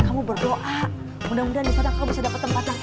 kamu berdoa mudah mudahan disana kamu bisa dapet tempat yang enak